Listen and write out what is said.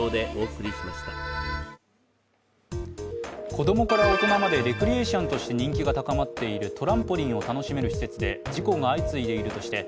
子供から大人までレクリエーションとして人気が高まっているトランポリンを楽しめる施設で事故が相次いでいるとして